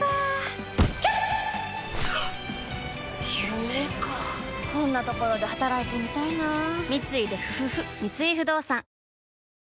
夢かこんなところで働いてみたいな三井不動産妹）